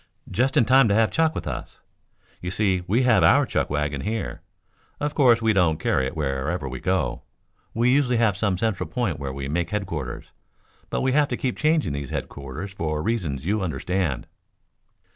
"Just in time to have chuck with us. You see we have our chuck wagon here. Of course we don't carry it wherever we go. We usually have some central point where we make headquarters. But we have to keep changing these headquarters for reasons you understand."